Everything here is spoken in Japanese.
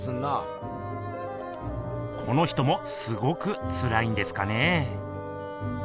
この人もすごくつらいんですかね。